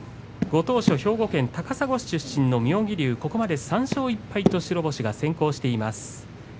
ご当所、兵庫県高砂市出身の妙義龍、ここまで３勝１敗と白星が先行しています。